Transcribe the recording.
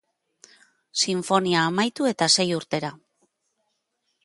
Sinfonia amaitu eta sei urtera.